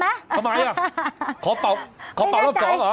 เฮ้ยทำไมล่ะขอเป่ารถสองเหรอ